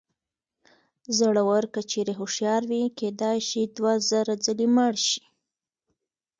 زړور که چېرې هوښیار وي کېدای شي دوه زره ځلې مړ شي.